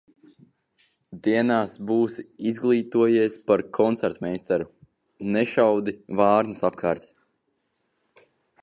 Dienās būsi izglītojies par koncertmeistaru. Nešaudi vārnas apkārt!